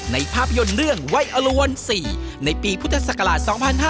ภาพยนตร์เรื่องวัยอลวน๔ในปีพุทธศักราช๒๕๕๙